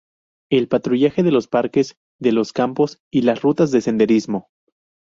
El patrullaje de los parques, de los campos y las rutas de senderismo.